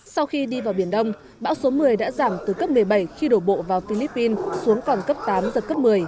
sau khi đi vào biển đông bão số một mươi đã giảm từ cấp một mươi bảy khi đổ bộ vào philippines xuống còn cấp tám giật cấp một mươi